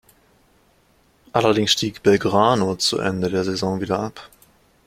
Allerdings stieg Belgrano zu Ende der Saison wieder ab.